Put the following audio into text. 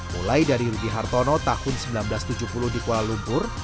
mulai dari rudy hartono tahun seribu sembilan ratus tujuh puluh di kuala lumpur